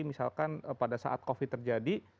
misalkan pada saat covid sembilan belas terjadi